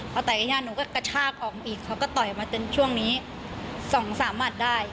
พอต่อยที่หน้าหนูก็กระชากออกมาอีกเขาก็ต่อยออกมาจนช่วงนี้๒๓หมัดได้